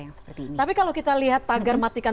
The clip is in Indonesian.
yang seperti ini tapi kalau kita lihat tagar matikan